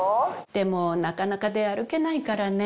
でもなかなか出歩けないからね。